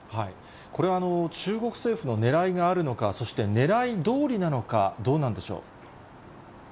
これは中国政府のねらいがあるのか、そして、ねらいどおりなのか、どうなんでしょう。